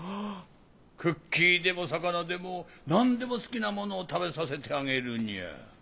クッキーでも魚でも何でも好きなものを食べさせてあげるにゃ。